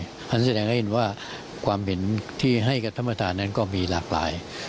ฉันแสดงให้ได้รู้ว่าความสินค้าที่ให้กับธรรมศาลนั้นก็มีหลากหลาย